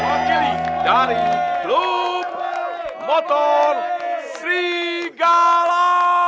wakili dari klub motor sri gala